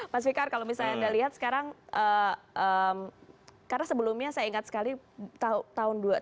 mas fikar kalau misalnya anda lihat sekarang karena sebelumnya saya ingat sekali tahun lalu